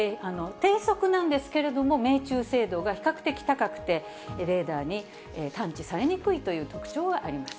低速なんですけれども、命中精度が比較的高くて、レーダーに探知されにくいという特徴があります。